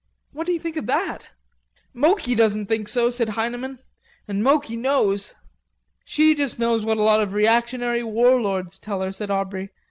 What do you think of that?" "Moki doesn't think so," said Heineman. "And Moki knows." "She just knows what a lot of reactionary warlords tell her," said Aubrey.